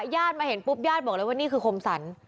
ญาติมาเห็นปุ๊บญาติบอกเลยว่านี่คือคมสรร